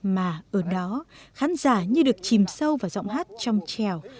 mà ở đó khán giả như được chìm sâu vào giọng hát trong trèo